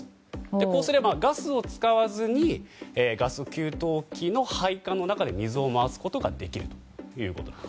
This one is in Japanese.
こうすれば、ガスを使わずにガス給湯器の配管の中で水を回すことができるということです。